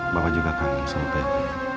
bapak juga kagum sama baby